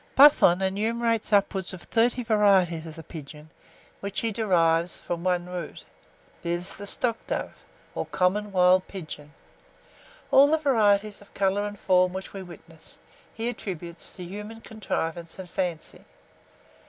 Buffon enumerates upwards of thirty varieties of the pigeon, which he derives from one root, viz. the stockdove, or common wild pigeon. All the varieties of colour and form which we witness, he attributes to human contrivance and fancy.